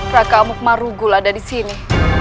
raka umuk marugul ada disini